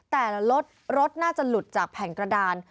แต่ละรถรถน่าจะหลุดจากแผ่นกระดาน